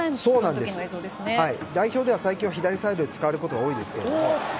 代表では最近、左サイドで使われることが多いですが。